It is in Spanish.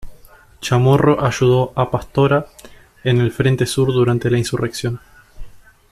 Chamorro ayudó a Pastora en el Frente Sur durante la insurrección.